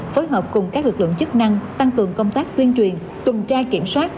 phối hợp cùng các lực lượng chức năng tăng cường công tác tuyên truyền tuần tra kiểm soát